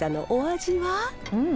うん！